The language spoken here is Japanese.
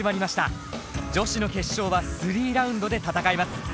女子の決勝は３ラウンドで戦います。